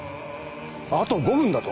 あと５分だと？